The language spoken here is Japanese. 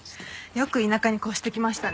よく田舎に越してきましたね。